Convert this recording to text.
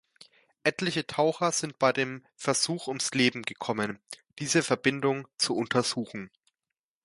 Etliche Taucher sind bei dem Versuch ums Leben gekommen, diese Verbindung zu untersuchen.